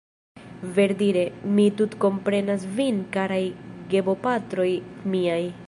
Verdire, mi tutkomprenas vin karaj gebopatroj miaj